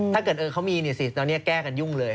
ถ้าเกิดเขามีเราเนี่ยแก้กันยุ่งเลย